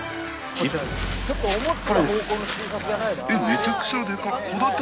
めちゃくちゃでかっ。